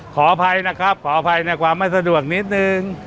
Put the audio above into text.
ขออภัยนะครับขออภัยในความไม่สะดวกนิดนึง